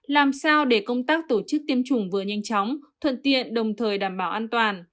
làm sao để công tác tổ chức tiêm chủng vừa nhanh chóng thuận tiện đồng thời đảm bảo an toàn